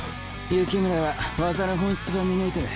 幸村は技の本質ば見抜いとる。